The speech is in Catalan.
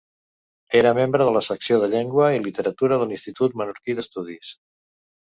Era membre de la Secció de Llengua i Literatura de l'Institut Menorquí d'Estudis.